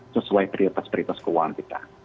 sesuai prioritas prioritas keuangan kita